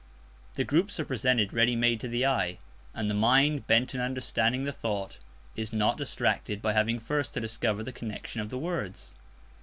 The groups are presented ready made to the eye; and the mind, bent on understanding the thought, is not distracted by having first to discover the connection of the words.